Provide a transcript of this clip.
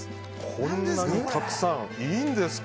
こんなにたくさんいいんですか。